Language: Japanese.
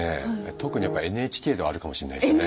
特にやっぱりＮＨＫではあるかもしんないですね。